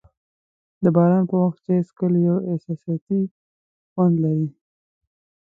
د باران په وخت چای څښل یو احساساتي خوند لري.